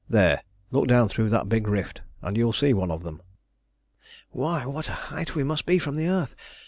There, look down through that big rift, and you will see one of them." "Why, what a height we must be from the earth!